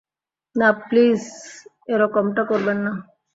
না, প্লিজ এরকমটা করবেন না!